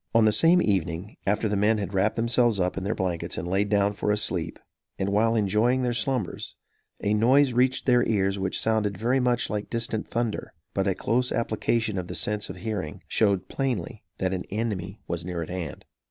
On the same evening, after the men had wrapped themselves up in their blankets and laid down for a sleep, and while enjoying their slumbers, a noise reached their ears which sounded very much like distant thunder; but a close application of the sense of hearing showed plainly that an enemy was near at hand.